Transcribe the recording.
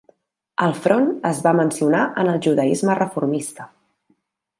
El front es va mencionar en el judaisme reformista.